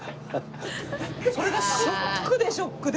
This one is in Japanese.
それがショックでショックで。